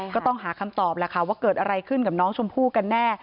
ก็ต้องหาคำตอบแล้วค่ะว่าเกิดอะไรขึ้นกับน้องชมพู่กันแน่